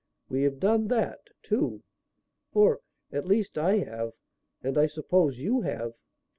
We have done that, too or, at least I have, and I suppose you have."